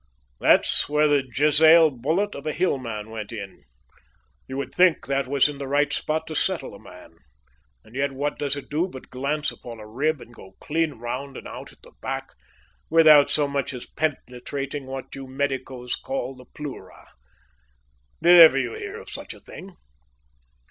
"That's where the jezail bullet of a Hillman went in. You would think that was in the right spot to settle a man, and yet what does it do but glance upon a rib, and go clean round and out at the back, without so much as penetrating what you medicos call the pleura. Did ever you hear of such a thing?"